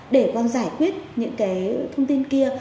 để con giải quyết những cái thông tin kia